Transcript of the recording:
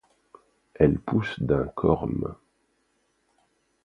Elle pousse d'un corme.